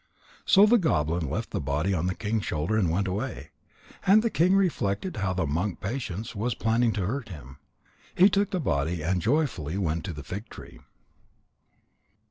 So the goblin left the body on the king's shoulder and went away. And the king reflected how the monk Patience was planning to hurt him. He took the body and joyfully went to the fig tree.